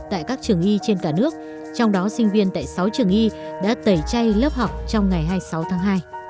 tại các trường y trên cả nước trong đó sinh viên tại sáu trường y đã tẩy chay lớp học trong ngày hai mươi sáu tháng hai